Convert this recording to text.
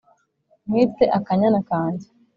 nkite akanyana kanjye